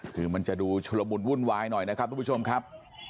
คือมันจะดูชุลมุนวุ่นวายหน่อยนะครับทุกผู้ชมครับ